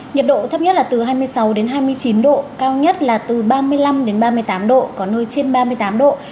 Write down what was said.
nhiệt độ thấp nhất là từ hai mươi sáu hai mươi chín độ cao nhất là từ ba mươi năm ba mươi tám độ có nơi trên ba mươi tám độ